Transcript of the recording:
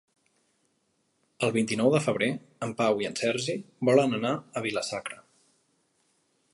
El vint-i-nou de febrer en Pau i en Sergi volen anar a Vila-sacra.